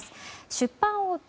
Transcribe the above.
出版大手